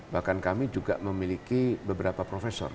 bahkan kami juga memiliki beberapa profesor